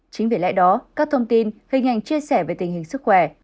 chính vì lẽ đó các thông tin hình ảnh chia sẻ về tình hình sức khỏe